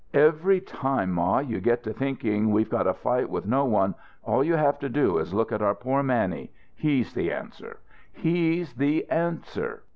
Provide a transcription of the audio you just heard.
Every time, ma, you get to thinking we've got a fight with no one, all you have to do is look at our poor Mannie. He's the answer! He's the answer!"